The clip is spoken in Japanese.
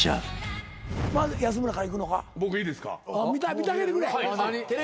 見てあげてくれ。